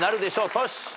トシ。